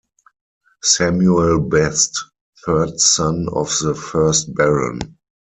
Samuel Best, third son of the first Baron.